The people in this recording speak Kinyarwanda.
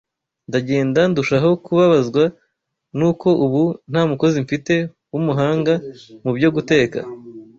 Ndagenda ndushaho kubabazwa n’uko ubu nta mukozi mfite w’umuhanga mu byo guteka